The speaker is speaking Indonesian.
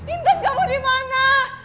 intan kamu dimana